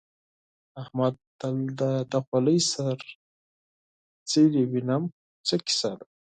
احمده! تل دې د خولۍ سر څيرې وينم؛ څه کيسه ده؟